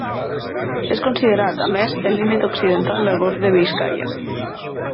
És considerat, a més, el límit occidental del golf de Biscaia.